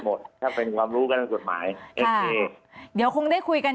หมดถ้าเป็นความรู้กันทางกฎหมายโอเคเดี๋ยวคงได้คุยกัน